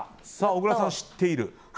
小倉さん、知っている。